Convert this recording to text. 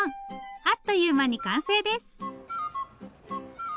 あっという間に完成です！